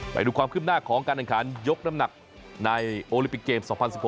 ไปดูความขึ้นหน้าของการแข่งขันยกน้ำหนักในโอลิปิกเกม๒๐๑๖